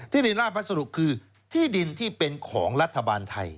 ที่ดินราชพัสดุคือที่ดินที่เป็นของรัฐบาลไทย